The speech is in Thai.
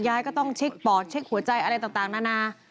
ยายก็ต้องเช็คปอดเช็คหัวใจอะไรต่างนานา